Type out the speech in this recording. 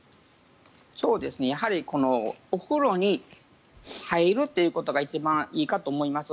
やはりお風呂に入るということが一番いいかと思います。